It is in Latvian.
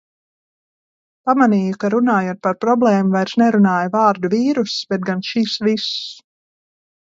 Pamanīju, ka runājot par problēmu, vairs nelietoju vārdu vīruss, bet gan "šis viss".